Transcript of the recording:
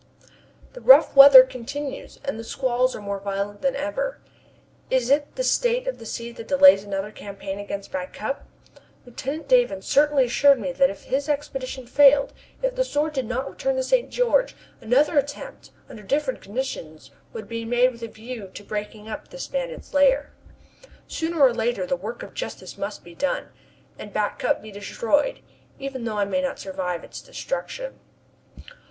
The rough weather continues, and the squalls are more violent than ever. Is it the state of the sea that delays another campaign against Back Cup? Lieutenant Davon certainly assured me that if his expedition failed, if the Sword did not return to St. George, another attempt under different conditions would be made with a view to breaking up this bandits' lair. Sooner or later the work of justice must be done, and Back Cup be destroyed, even though I may not survive its destruction.